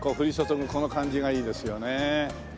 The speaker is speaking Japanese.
この感じがいいですよねえ。